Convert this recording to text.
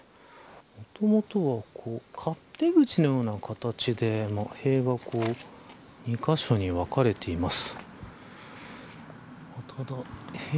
もともとは、勝手口のような形で塀が２カ所に分かれています。